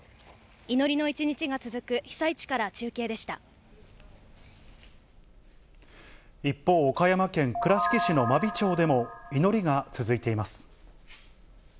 祈りの一日が続く、被災地から中一方、岡山県倉敷市の真備町でも、祈りが続いています。